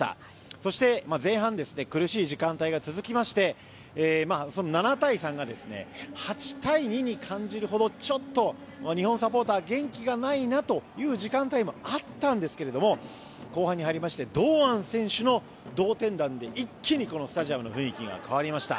そして、前半苦しい時間帯が続きまして７対３が８対２に感じるほどちょっと日本サポーター元気がないなという時間帯もあったんですが後半に入りまして堂安選手の同点弾で一気にこのスタジアムの雰囲気が変わりました。